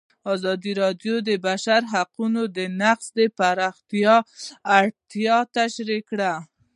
ازادي راډیو د د بشري حقونو نقض د پراختیا اړتیاوې تشریح کړي.